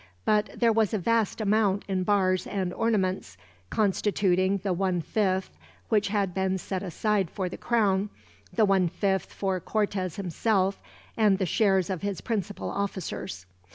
But there was a vast amount in bars and ornaments, constituting the one fifth which had been set aside for the crown, the one fifth for Cortez himself, and the shares of his principal officers.